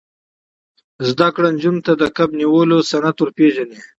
زده کړه نجونو ته د کب نیولو صنعت ور پېژني.